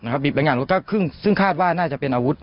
หยิบบางอย่างในรถก็ซึ่งคาดว่าน่าจะเป็นอาวุธ